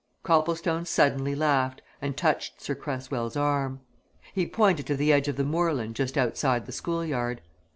Copplestone suddenly laughed and touched Sir Cresswell's arm. He pointed to the edge of the moorland just outside the school yard.